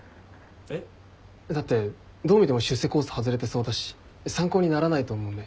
だってどう見ても出世コース外れてそうだし参考にならないと思うんで。